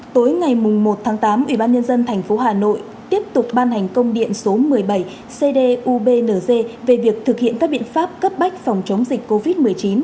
tối ngày một tháng tám ubnd tp hà nội tiếp tục ban hành công điện số một mươi bảy cdubng về việc thực hiện các biện pháp cấp bách phòng chống dịch covid một mươi chín